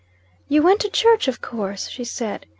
"You went to church, of course," she said.